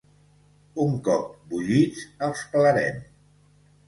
Un cop bullits els pelarem.